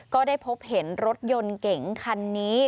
ก็ได้พบเห็นรถยนต์เก๋งคันนี้